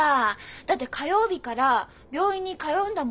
だって火曜日から病院に通うんだものね。